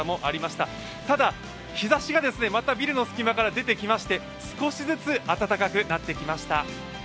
ただ、日ざしがまたビルの隙間から出てきまして少しずつ暖かくなってきました。